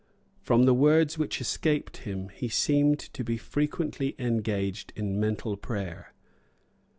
From the words which escaped him he seemed to be frequently engaged in mental prayer.